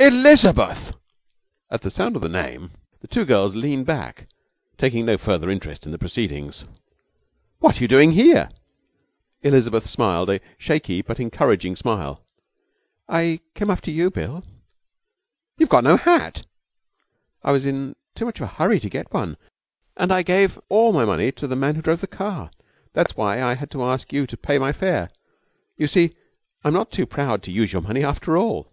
'Elizabeth!' At the sound of the name the two girls leaned back, taking no further interest in the proceedings. 'What are you doing here?' Elizabeth smiled, a shaky but encouraging smile. 'I came after you, Bill.' 'You've got no hat!' 'I was in too much of a hurry to get one, and I gave all my money to the man who drove the car. That's why I had to ask you to pay my fare. You see, I'm not too proud to use your money after all.'